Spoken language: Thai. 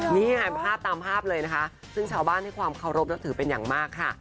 นี่ค่ะภาพตามภาพเลยนะคะซึ่งชาวบ้านให้ความเคารพนับถือเป็นอย่างมากค่ะ